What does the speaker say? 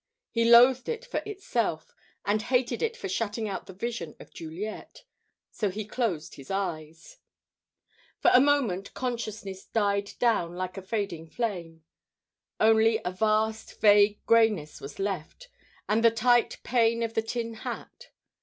He loathed it for itself, and hated it for shutting out the vision of Juliet, so he closed his eyes. For a moment consciousness died down like a fading flame. Only a vast, vague greyness was left, and the tight pain of the tin hat.